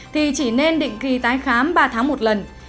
thì chỉ nên định kỳ tái khám ba tháng một lần